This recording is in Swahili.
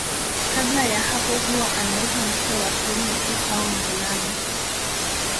Kabla ya hapo huwa anaitwa mtoto wa kiume tu au mvulana.